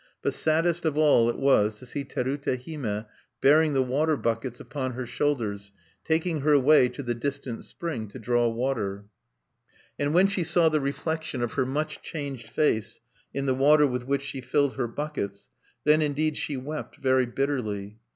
But saddest of all it was to see Terute Hime bearing the water buckets upon her shoulders, taking her way to the distant spring to draw water. And when she saw the reflection of her much changed face in the water with which she filled her buckets, then indeed she wept very bitterly.